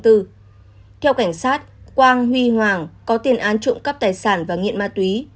theo cảnh sát quang huy hoàng có tiền án trộm cắp tài sản và nghiện ma túy